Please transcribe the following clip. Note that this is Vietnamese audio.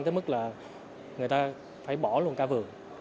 tới mức là người ta phải bỏ luôn ca vườn